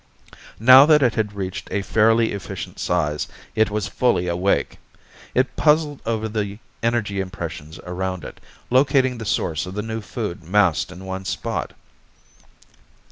Now that it had reached a fairly efficient size, it was fully awake. It puzzled over the energy impressions around it, locating the source of the new food massed in one spot.